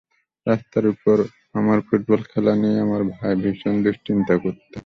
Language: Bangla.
রাস্তার ওপর আমার ফুটবল খেলা নিয়ে আমার ভাই ভীষণ দুশ্চিন্তা করতেন।